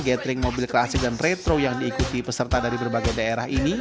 gathering mobil klasik dan retro yang diikuti peserta dari berbagai daerah ini